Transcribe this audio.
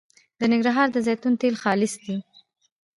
د ننګرهار د زیتون تېل خالص دي